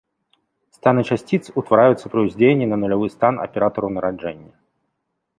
Станы часціц утвараюцца пры ўздзеянні на нулявы стан аператараў нараджэння.